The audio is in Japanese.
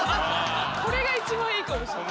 これが一番いいかもしれない。